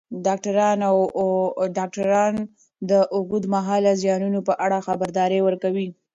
ډاکټران د اوږدمهاله زیانونو په اړه خبرداری ورکوي.